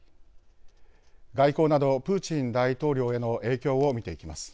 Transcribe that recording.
外交などプーチン大統領への影響を見ていきます。